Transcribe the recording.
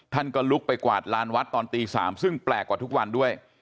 ท่านก็ลุกไปกวาดลานวัดตอนตี๓ซึ่งแปลกกว่าทุกวันด้วย